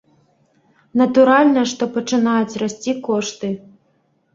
Натуральна, што пачынаюць расці кошты.